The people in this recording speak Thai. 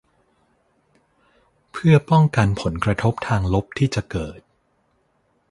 เพื่อป้องกันผลกระทบทางลบที่จะเกิด